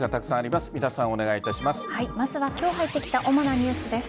まずは今日入ってきた主なニュースです。